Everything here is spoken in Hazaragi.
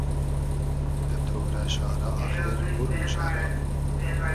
دۂ تۉرۂ شارۂ آخیر بور موشۂ را